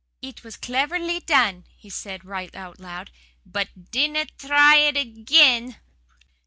"'It was cleverly done,' he said, right out loud, 'BUT DINNA TRY IT AGAIN!